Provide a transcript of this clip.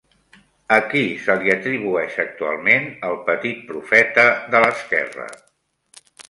A qui se li atribueix actualment el Petit profeta de l'esquerra?